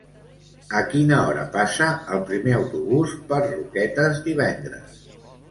A quina hora passa el primer autobús per Roquetes divendres?